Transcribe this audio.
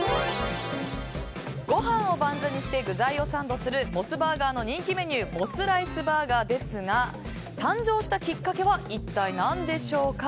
ご飯をバンズにして具材をサンドするモスバーガーの人気メニューモスライスバーガーですが誕生したきっかけは一体何でしょうか。